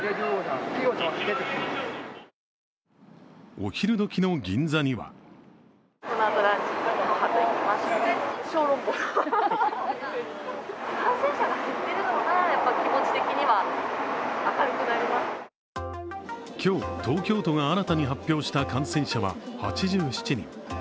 お昼どきの銀座には今日、東京都が新たに発表した感染者は８７人。